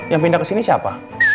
yang pindah kesini siapa